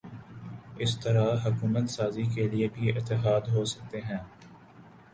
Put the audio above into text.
اسی طرح حکومت سازی کے لیے بھی اتحاد ہو سکتے ہیں۔